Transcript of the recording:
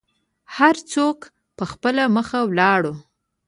هر څوک په خپله مخه ولاړو.